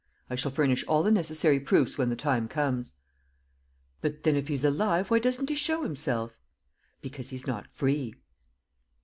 I shall furnish all the necessary proofs when the time comes." "But, then, if he's alive, why doesn't he show himself?" "Because he's not free."